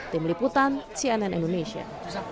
tim liputan cnn indonesia